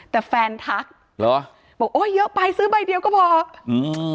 แต่แฟนทักเหรอบอกโอ้ยเยอะไปซื้อใบเดียวก็พออืม